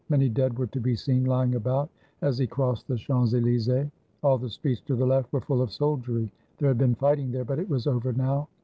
Many dead were to be seen lying about as he crossed the Champs Elysees. All the streets to the left were full of soldiery; there had been fighting there, but it was over now.